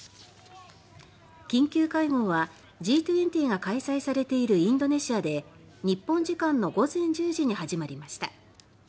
緊急会合はＧ２０が開催されているインドネシアで日本時間の午前１０時に始まりました。